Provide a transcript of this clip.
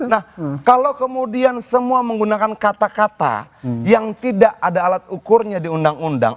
nah kalau kemudian semua menggunakan kata kata yang tidak ada alat ukurnya di undang undang